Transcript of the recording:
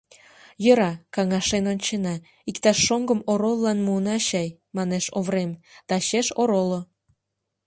— Йӧра, каҥашен ончена, иктаж шоҥгым ороллан муына чай, — манеш Оврем, — тачеш ороло.